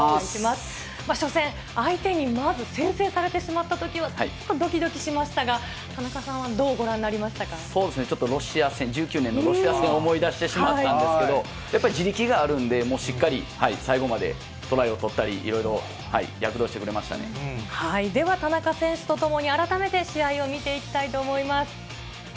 初戦、相手にまず先制されてしまったときは、ちょっとどきどきしましたが、田中さんはどうごそうですね、ちょっとロシア戦、１９年のロシア戦を思い出してしまったんですけど、やっぱり地力があるんで、もうしっかり最後までトライを取ったり、では、田中選手と共に、改めて試合を見ていきたいと思います。